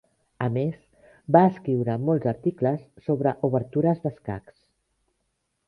A més, va escriure molts articles sobre obertures d'escacs.